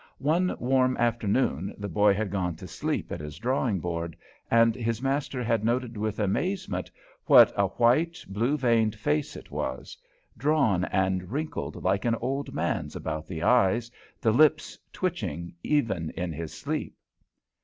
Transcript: One warm afternoon the boy had gone to sleep at his drawing board, and his master had noted with amazement what a white, blue veined face it was; drawn and wrinkled like an old man's about the eyes, the lips twitching even in his sleep.